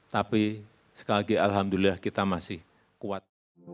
tapi sekali lagi alhamdulillah kita masih kuat